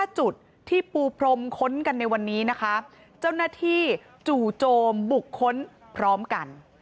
๕จุดที่ปูพรมค้นกันในวันนี้นะคะเจ้าหน้าที่จู่โจมบุคคลพร้อมกัน